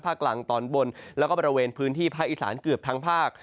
กลางตอนบนแล้วก็บริเวณพื้นที่ภาคอีสานเกือบทั้งภาค